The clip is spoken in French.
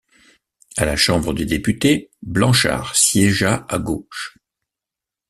À la Chambre des députés, Blanchard siégea à gauche.